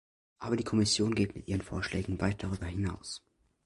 Aber die Kommission geht mit ihren Vorschlägen weit darüber hinaus.